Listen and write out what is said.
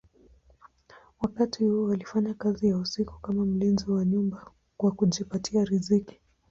Wakati huu alifanya kazi ya usiku kama mlinzi wa nyumba kwa kujipatia riziki.